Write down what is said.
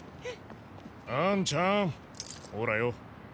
あんちゃんほらよ。